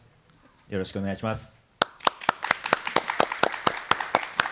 よろしくお願いします。